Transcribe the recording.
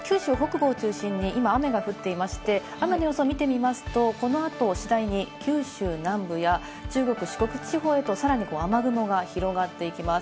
九州北部を中心に今、雨が降っていまして、雨の予想を見てみますと、この後、次第に九州南部や中国、四国地方へとさらに雨雲が広がっていきます。